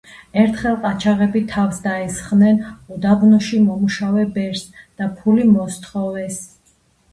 ერთხელ ყაჩაღები თავს დაესხნენ უდაბნოში მომუშავე ბერს და ფული მოსთხოვეს.